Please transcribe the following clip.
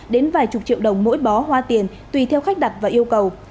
đến vài chục triệu đồng mỗi bó hoa tiền tùy theo khách đặt và yêu cầu